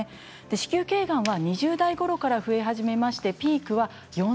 子宮けいがんは２０代ごろから増え始めましてピークは４０代。